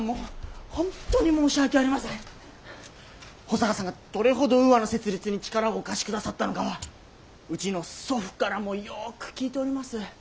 保坂さんがどれほどウーアの設立に力をお貸しくださったのかはうちの祖父からもよく聞いております。